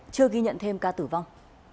chưa ghi nhận thêm ca tử vong